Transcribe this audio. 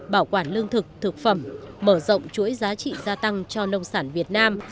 bảo quản lương thực thực phẩm mở rộng chuỗi giá trị gia tăng cho nông sản việt nam